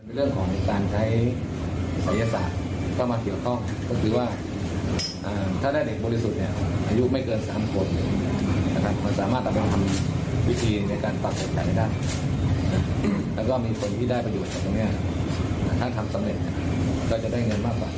นี่คือคนที่สั่งให้ผ่านก็เรื่องของการตัดเด็กใหม่